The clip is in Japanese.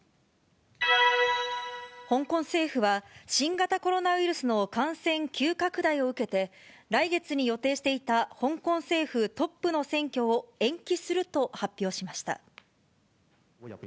香港政府は、新型コロナウイルスの感染急拡大を受けて、来月に予定していた香港政府トップの選挙を延期すると発表しました。